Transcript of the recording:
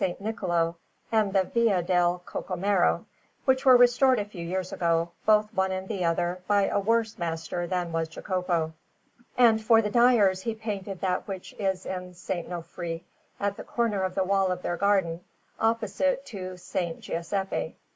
Niccolò and the Via del Cocomero, which were restored a few years ago, both one and the other, by a worse master than was Jacopo; and for the Dyers he painted that which is in S. Nofri, at the corner of the wall of their garden, opposite to S. Giuseppe.